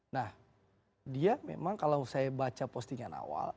nah dia memang kalau saya baca postingan awal